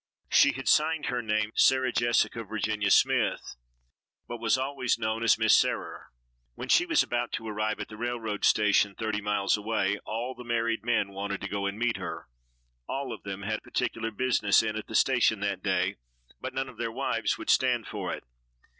She had signed her name Sarah Jessica Virginia Smythe, but was always known as Miss Sarer. When she was about to arrive at the railroad station, thirty miles away, all the married men wanted to go and meet her. All of them had particular business in at the station that day, but none of their wives would stand for it.